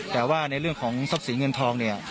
แต่ว่าในเรื่องของทรัพย์สินเงินทองเนี่ย